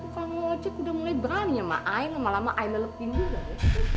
kamu aja udah mulai berani sama i lama lama i lelupin juga ya